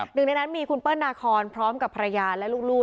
หนึ่งในนั้นมีคุณเปิ้ลนาคอนพร้อมกับภรรยาและลูก